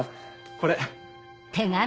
これ。